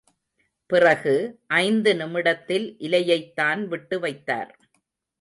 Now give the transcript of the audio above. பிறகு, ஐந்து நிமிடத்தில், இலையைத்தான் விட்டு வைத்தார்.